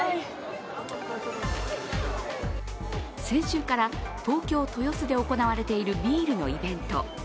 先週から東京・豊洲で行われているビールのイベント。